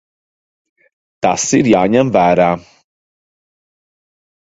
Tas ir jāņem vērā.